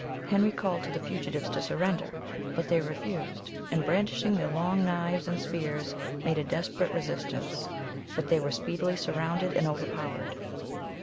Henry called to the fugitives to surrender, but they refused, and, brandishing their long knives and spears, made a desperate resistance. But they were speedily surrounded and overpowered.